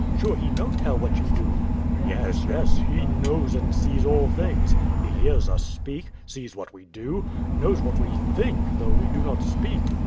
Sure He no tell what you do? W.A. Yes, yes, He knows and sees all things; He hears us speak, sees what we do, knows what we think though we do not speak.